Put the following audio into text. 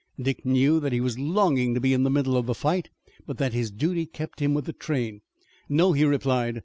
Dick knew that he was longing to be in the middle of the fight, but that his duty kept him with the train. "No," he replied.